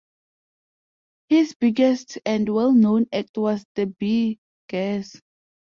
His biggest and well known act was the Bee Gees.